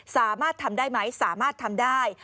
สามารถทำได้ไหมสามารถทำได้